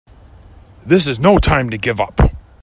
This is no time to give up!